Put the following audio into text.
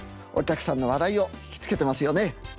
お客さんの笑いを引きつけてますよね。